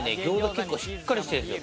結構しっかりしてるんですよ